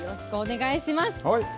よろしくお願いします。